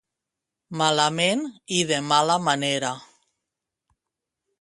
Malament i de mala manera.